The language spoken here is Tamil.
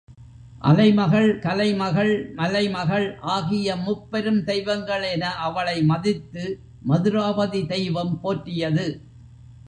அலைமகள், கலைமகள், மலைமகள் ஆகிய முப் பெரும் தெய்வங்கள் என அவளை மதித்து மதுராபதி தெய்வம் போற்றியது.